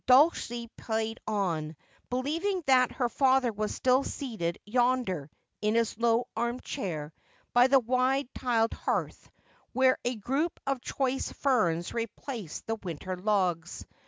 Dulcie played on, believing that her father was still seated yonder in his low arm chair by the wide tiled hearth, where a group of choice ferns replaced the winter logs.